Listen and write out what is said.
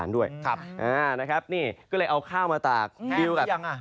ด้วยครับอ่านะครับนี่ก็เลยเอาข้าวมาตากยังอ่ะ